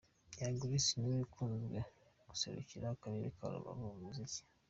Young Grace ni we ukunze guserukira akarere ka Rubavu mu muziki.